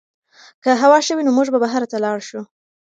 که هوا ښه وي نو موږ به بهر ته لاړ شو.